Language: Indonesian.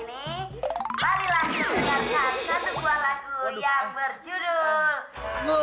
balik lagi bersiarkan satu buah lagu yang berjudul